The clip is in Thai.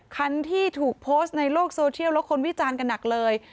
คันที่ถูกโพสต์ในโลกโซเทียลแล้วคนวิจารณ์กันหนักเลย